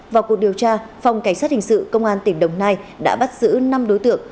vào cuộc điều tra phòng cảnh sát hình sự công an tỉnh đồng nai đã bắt giữ năm đối tượng